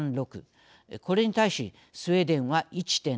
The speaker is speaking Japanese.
これに対しスウェーデンは、１．７